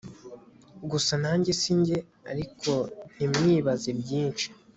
gusa nanjye sinjye ariko ntimwibaze byinshi